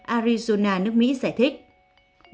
arizona nước mỹ giải thích